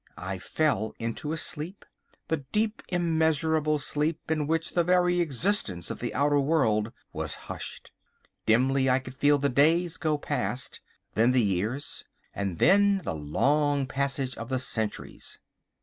I fell into a sleep, the deep immeasurable sleep in which the very existence of the outer world was hushed. Dimly I could feel the days go past, then the years, and then the long passage of the centuries.